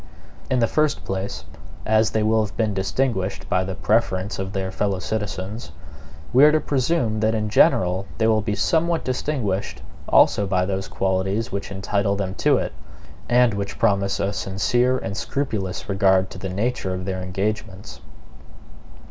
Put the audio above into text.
In the first place, as they will have been distinguished by the preference of their fellow citizens, we are to presume that in general they will be somewhat distinguished also by those qualities which entitle them to it, and which promise a sincere and scrupulous regard to the nature of their engagements.